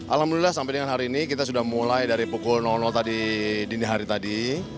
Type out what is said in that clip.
alhamdulillah sampai dengan hari ini kita sudah mulai dari pukul tadi dini hari tadi